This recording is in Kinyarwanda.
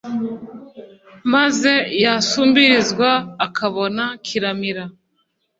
maze yasumbirizwa akabona kiramira